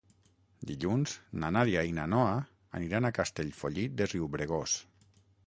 Dilluns na Nàdia i na Noa aniran a Castellfollit de Riubregós.